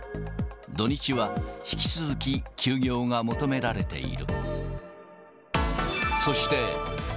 土日は引き続き、休業が求められている。